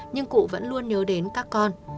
nhưng cụ vẫn luôn nhớ đến các con